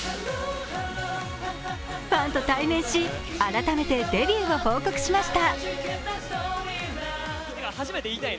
ファンと対面し、改めてデビューを報告しました。